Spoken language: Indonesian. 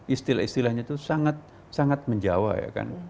istilah istilahnya itu sangat sangat menjawab ya kan